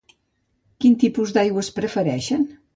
Quin tipus d'aigües prefereixen?